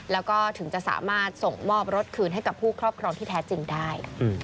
แล้วก็ถึงจะสามารถส่งมอบรถคืนให้กับผู้ครอบครองที่แท้จริงได้